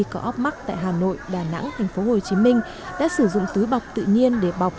có óp mắt tại hà nội đà nẵng tp hcm đã sử dụng túi bọc tự nhiên để bọc